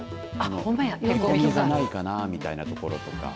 横傷がないかなみたいなところとか。